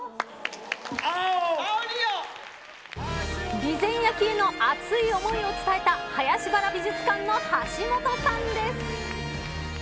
備前焼への熱い思いを伝えた林原美術館の橋本さんです。